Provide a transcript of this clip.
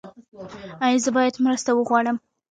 ایا زه باید مرسته وغواړم؟